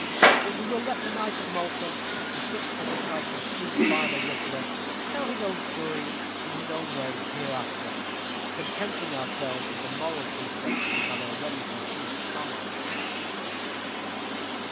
But we will let the knight of Malta, for such was the title assumed by the ruffler, tell his own story in his own way hereafter; contenting ourselves with the moral precepts we have already deduced from it.